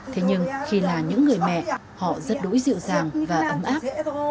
thế nhưng khi là những người mẹ họ rất đối dịu dàng và ấm áp